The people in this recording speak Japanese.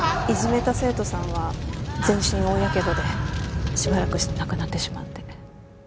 いじめた生徒さんは全身大やけどでしばらくして亡くなってしまって。